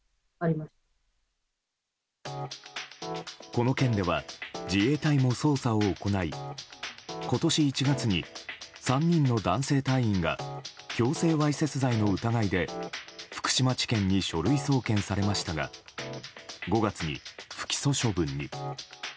この件では自衛隊も捜査を行い今年１月に、３人の男性隊員が強制わいせつ罪の疑いで福島地検に書類送検されましたが５月に不起訴処分に。